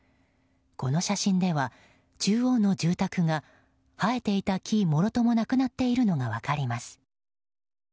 この写真では中央の住宅が生えていた木もろともなくなっているのが分かります。